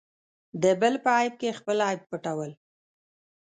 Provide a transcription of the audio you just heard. د بل په عیب کې خپل عیب پټول.